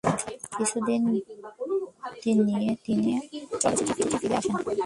কিছুদিন বিরতি নিয়ে তিনি আবার চলচ্চিত্রে ফিরে আসেন।